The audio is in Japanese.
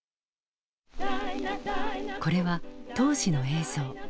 これは当時の映像。